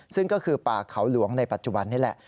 ซึ่งก็คือป่าเขาหลวงในปัจจุบันนี่แหละ